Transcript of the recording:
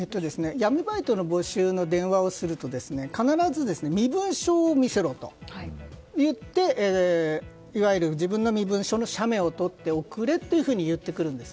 闇バイトの募集の電話をすると必ず身分証を見せろといっていわゆる自分の身分証の写メを撮って遅れと言ってきます。